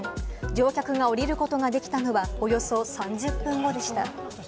乗客が降りることができたのは、およそ３０分後でした。